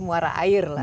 muara air lah